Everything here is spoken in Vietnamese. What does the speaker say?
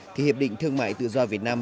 thì hiệp định thương mại tự do việt nam